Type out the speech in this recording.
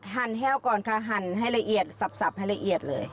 หั่นแห้วก่อนค่ะหั่นให้ละเอียดสับให้ละเอียดเลย